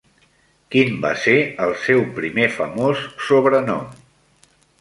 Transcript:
Quin va ser el seu primer famós sobrenom?